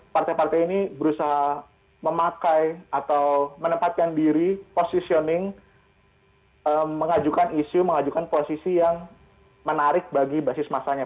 partai partai ini berusaha memakai atau menempatkan diri positioning mengajukan isu mengajukan posisi yang menarik bagi basis masanya